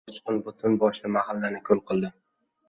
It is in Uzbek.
• Birgina uchqun butun boshli mahallani kul qiladi.